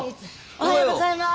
おはようございます。